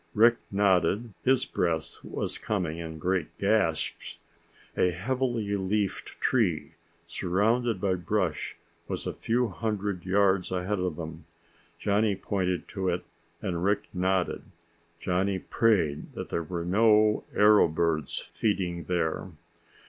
Rick nodded. His breath was coming in great gasps. A heavily leafed tree surrounded by brush was a few hundred yards ahead of them. Johnny pointed to it and Rick nodded. Johnny prayed that there were no arrow birds feeding there.